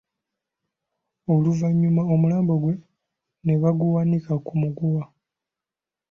Oluvannyuma omulambo gwe ne baguwanika ku muguwa.